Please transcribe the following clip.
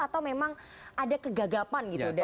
atau memang ada kegagapan gitu dari penkro